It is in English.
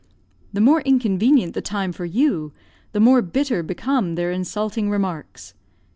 The more inconvenient the time for you, the more bitter become their insulting remarks.